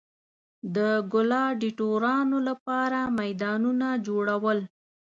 د ګلاډیټورانو لپاره میدانونه جوړول.